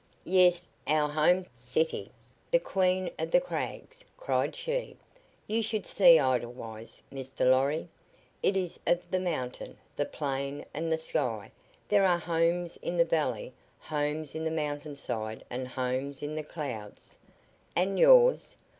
"Yes, our home city, the queen of the crags," cried she. "You should see Edelweiss, Mr. Lorry. It is of the mountain, the plain and the sky. There are homes in the valley, homes on the mountain side and homes in the clouds." "And yours?